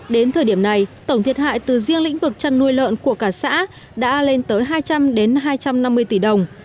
đến thời điểm này tổng thiệt hại từ riêng lĩnh vực chăn nuôi lợn của cả xã đã lên tới hai trăm linh hai trăm năm mươi tỷ đồng